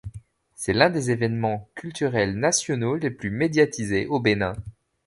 C'est l'un des événements culturels nationaux les plus médiatisés au Bénin.